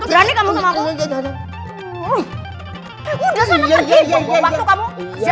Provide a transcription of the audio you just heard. terus berani kamu sama aku